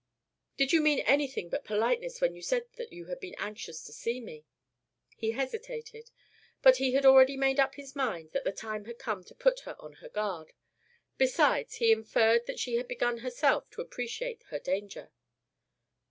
"Did you mean anything but politeness when you said that you had been anxious to see me?" He hesitated, but he had already made up his mind that the time had come to put her on her guard. Besides, he inferred that she had begun herself to appreciate her danger.